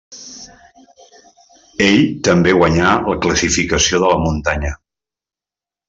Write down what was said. Ell també guanyà la classificació de la muntanya.